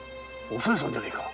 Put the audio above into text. おさよさんじゃねぇか！？